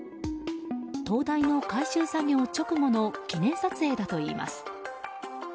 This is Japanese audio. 灯台の改修作業直後の記念撮影だといいます。